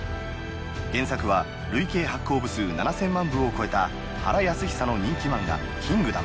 原作は累計発行部数７，０００万部を超えた原泰久の人気漫画「キングダム」。